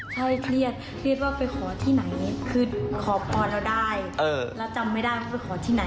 ใช่เครียดเครียดว่าไปขอที่ไหนคือขอพรเราได้แล้วจำไม่ได้ว่าไปขอที่ไหน